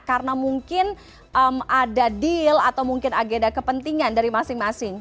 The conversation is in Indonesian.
karena mungkin ada deal atau mungkin agenda kepentingan dari masing masing